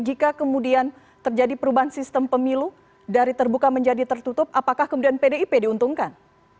jika kemudian terjadi perubahan sistem pemilu dari terbuka menjadi tertutup apakah kemudian pdip diuntungkan